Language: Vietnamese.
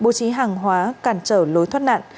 bố trí hàng hóa cản trở lối thoát nạn